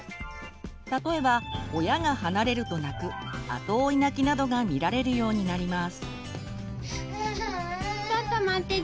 例えば親が離れると泣く後追い泣きなどが見られるようになります。